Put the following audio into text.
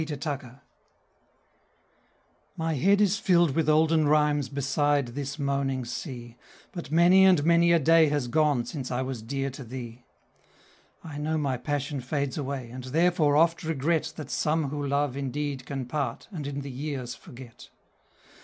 Geraldine My head is filled with olden rhymes beside this moaning sea, But many and many a day has gone since I was dear to thee! I know my passion fades away, and therefore oft regret That some who love indeed can part and in the years forget.